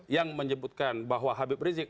yang menyebutkan bahwa habib rizik